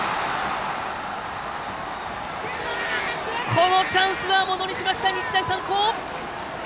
このチャンスはものにしました日大三高！